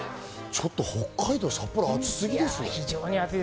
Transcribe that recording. ちょっと北海道、札幌、暑すぎですね。